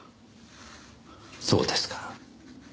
そうですか。